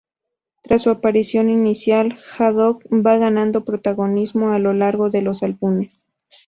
Tras su aparición inicial, Haddock va ganando protagonismo a lo largo de los álbumes.